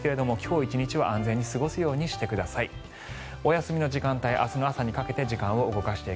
１日は安全に過ごすようにしてください。